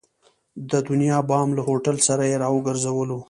د دنیا بام له هوټل سره یې را وګرځولو.